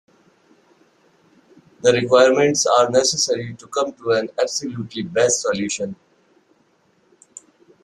The requirements are necessary to come to an absolutely best solution.